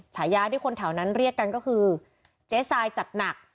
ฉายาที่คนแถวนั้นเรียกกันก็คือเจ๊ทรายจัดหนัก